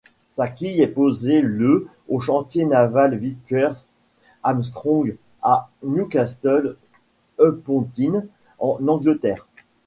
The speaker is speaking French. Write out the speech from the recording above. Sa quille est posée le au chantier naval Vickers-Armstrong à Newcastle-upon-Tyne, en Angleterre.